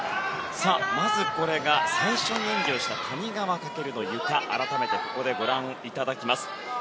さあ、まずこれが最初に演技をした谷川翔のゆかを改めてご覧いただきます。